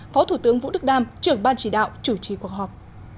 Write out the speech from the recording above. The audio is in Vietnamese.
phó thủ tướng vũ đức đam trưởng ban chỉ đạo chủ trì cuộc họp